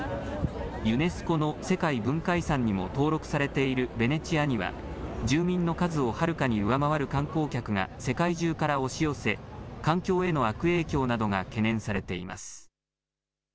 ユネスコの世界文化遺産にも登録されているベネチアには住民の数をはるかに上回る観光客が世界中から押し寄せ環境への悪影響などが懸念されています。